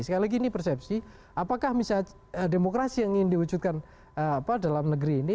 sekali lagi ini persepsi apakah misalnya demokrasi yang ingin diwujudkan dalam negeri ini